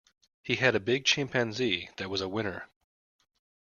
He had a big chimpanzee that was a winner.